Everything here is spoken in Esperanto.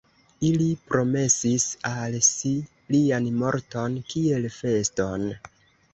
Ili promesis al si lian morton, kiel feston.